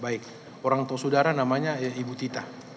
baik orang tua saudara namanya ibu tita